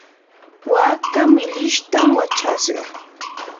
waaka millishtam wachashqa.